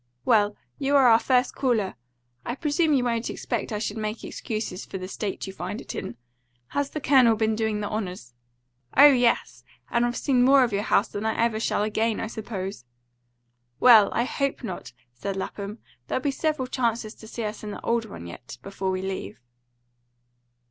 "Well, you are our first caller. I presume you won't expect I should make excuses for the state you find it in. Has the Colonel been doing the honours?" "Oh yes. And I've seen more of your house than I ever shall again, I suppose." "Well, I hope not," said Lapham. "There'll be several chances to see us in the old one yet, before we leave."